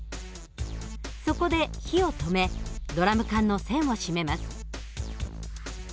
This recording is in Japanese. そこで火を止めドラム缶の栓を閉めます。